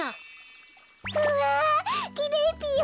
うわきれいぴよ！